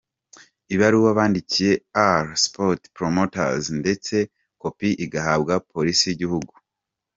Ibaruwa bandikikiye R. Sports promoters ndetse kopi igahabwa polisi y’igihugu